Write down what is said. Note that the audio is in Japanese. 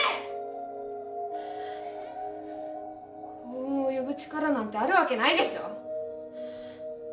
幸運を呼ぶ力なんてあるわけないでしょ。